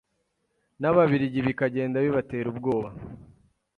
n’ababiligi bikagenda bibatera ubwoba